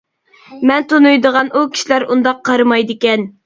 مەن تونۇيدىغان ئۇ كىشىلەر ئۇنداق قارىمايدىكەن.